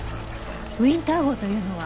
ウィンター号というのは？